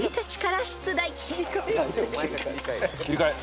切り替え。